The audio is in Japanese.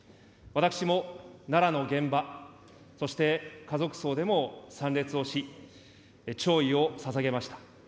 私も奈良の現場、そして家族葬でも参列をし、弔意をささげました。